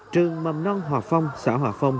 trường mầm nông hòa phong xã hòa phong